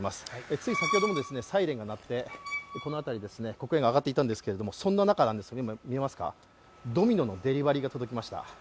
つい先ほどもサイレンが鳴って、この辺り黒煙が上がっていたんですけれどもそんな中、ドミノのデリバリーが届きました。